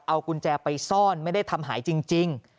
เอากุญแจไปซ่อนไม่ได้ทำหายจริง